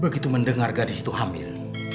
begitu mendengar gadis itu hamil